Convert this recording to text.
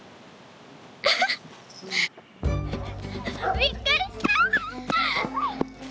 びっくりした！